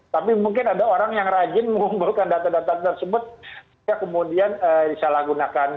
tapi mungkin ada orang yang rajin mengumpulkan data data tersebut jika kemudian disalahgunakan